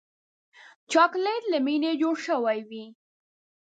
چاکلېټ له مینې جوړ شوی وي.